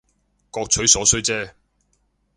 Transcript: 各取所需姐